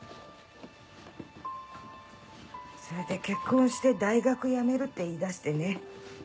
それで結婚して大学辞めるって言い出してね。